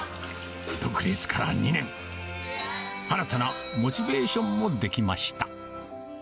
独立から２年、新たなモチベーションも出来ました。